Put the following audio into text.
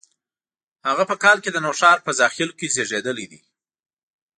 هغه په کال کې د نوښار په زاخیلو کې زیږېدلي دي.